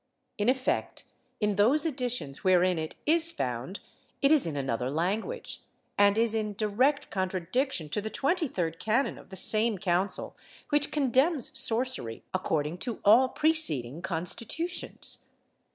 In effect, in those editions wherein it is found, it is in another language, and is in direct contradiction to the twenty third canon of the same council, which condemns sorcery, according to all preceding constitutions.